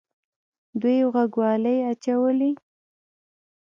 دوی غوږوالۍ اچولې